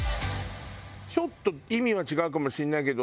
ちょっと意味は違うかもしれないけど